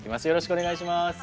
よろしくお願いします。